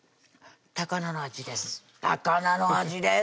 高菜の味です